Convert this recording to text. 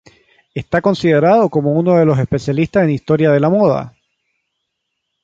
Está considerado como uno de los especialistas en historia de la moda.